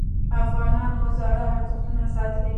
افغانانو زاړه ارزښتونه ساتلي.